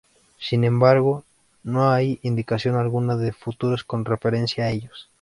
Sin embargo, no hay indicación alguna de futuro con referencia a ellos.